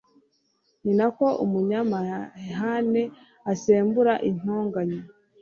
ni na ko umunyamahane asembura intonganya